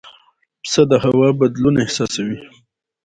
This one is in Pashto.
پسه د هوا بدلون احساسوي.